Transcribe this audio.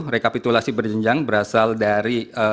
rekapitulasi berjenjang berasal dari